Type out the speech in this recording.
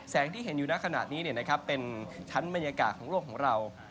ที่เห็นอยู่ในขณะนี้เป็นชั้นบรรยากาศของโลกของเรา